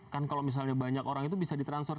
kan kalau misalnya banyak orang itu bisa di transfer